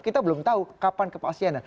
kita belum tahu kapan kepastiannya